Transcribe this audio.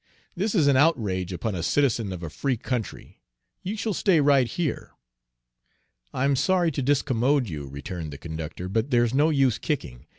"This is an outrage upon a citizen of a free country. You shall stay right here." "I'm sorry to discommode you," returned the conductor, "but there's no use kicking.